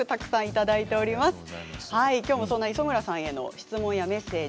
きょうも磯村さんへの質問やメッセージ